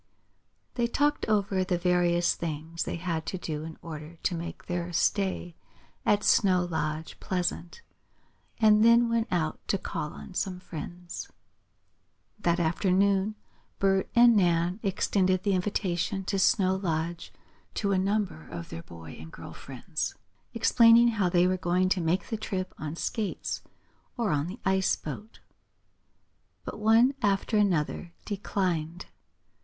They talked over the various things they had to do in order to make their stay at Snow Lodge pleasant, and then went out to call on some friends. That afternoon Bert and Nan extended the invitation to Snow Lodge to a number of their boy and girl friends, explaining how they were going to make the trip on skates or on the ice boat. But one after another declined.